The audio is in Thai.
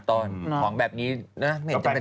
ของแบบนี้เนี่ย